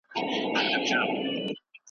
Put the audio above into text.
ځوانان په ژبه کار کوي.